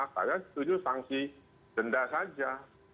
saya setuju sanksi denda saja